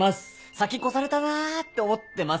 先越されたなって思ってます。